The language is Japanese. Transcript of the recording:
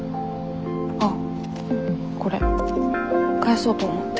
あっこれ返そうと思って。